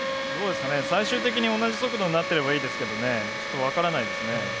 最終的に同じ速度になってればいいですけどねちょっと分からないですね。